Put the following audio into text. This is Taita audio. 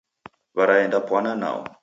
W'araendapwana nao.